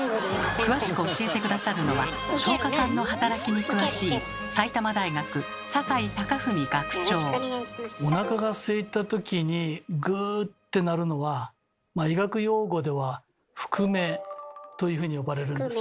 詳しく教えて下さるのは消化管の働きに詳しいおなかがすいたときに「ぐ」って鳴るのは医学用語では「腹鳴」というふうに呼ばれるんです。